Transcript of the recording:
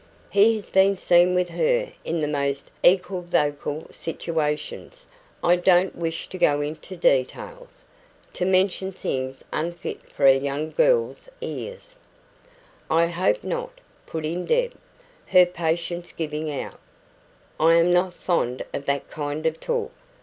"He has been seen with her in the most equivocal situations. I don't wish to go into details to mention things unfit for a young girl's ears " "I hope not," put in Deb, her patience giving out. "I am not fond of that kind of talk.